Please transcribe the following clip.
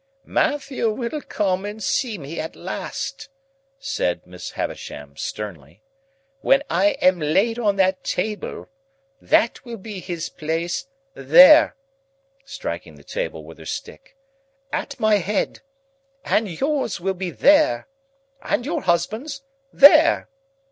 "Matthew will come and see me at last," said Miss Havisham, sternly, "when I am laid on that table. That will be his place,—there," striking the table with her stick, "at my head! And yours will be there! And your husband's there!